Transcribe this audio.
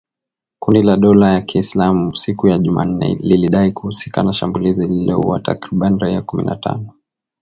Kundi la dola ya Kiilsmau siku ya Jumanne lilidai kuhusika na shambulizi lililoua takriban raia kumi na tano